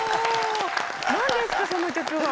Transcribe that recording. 何ですかその曲は⁉